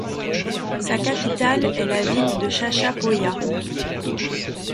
Sa capitale est la ville de Chachapoyas.